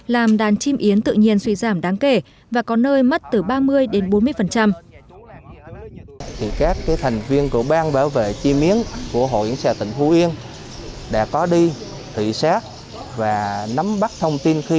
làm đàn chim yến tự nhiên suy giảm đáng kể và có nơi mất từ ba mươi đến bốn mươi